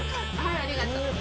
はいありがとう。